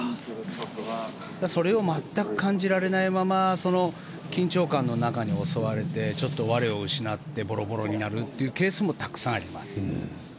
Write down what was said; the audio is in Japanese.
それを全く感じられないまま緊張感の中に襲われてちょっと我を失ってボロボロになるというケースもたくさんあります。